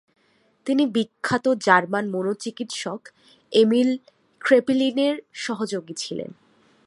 তিনি বিখ্যাত জার্মান মনোচিকিৎসক এমিল ক্রেপেলিনের সহযোগী ছিলেন।